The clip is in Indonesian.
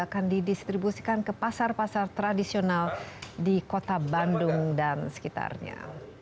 akan didistribusikan ke pasar pasar tradisional di kota bandung dan sekitarnya